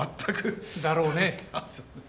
だろうね。